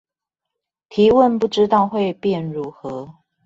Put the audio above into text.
提問不知道會變如何